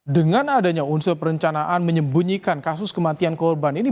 dengan adanya unsur perencanaan menyembunyikan kasus kematian korban ini